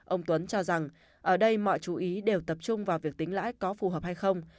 ông tuấn cho rằng ở đây mọi chú ý đều tập trung vào việc tính lãi có phù hợp hay không